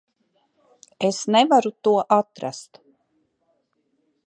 Es nevaru to atrast.